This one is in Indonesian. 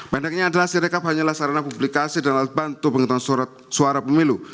pendeknya adalah hasil rekap hanyalah sarana publikasi dan alat bantu pengetahuan suara pemilu